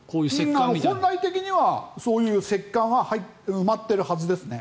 本来的にはそういう石棺は埋まっているはずです。